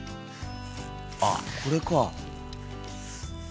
あっこれか。